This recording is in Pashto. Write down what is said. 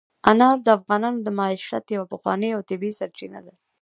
انار د افغانانو د معیشت یوه پخوانۍ او طبیعي سرچینه ده.